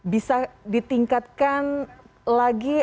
bisa ditingkatkan lagi